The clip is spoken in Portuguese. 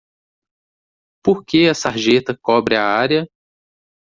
Por que a sarjeta cobre a área?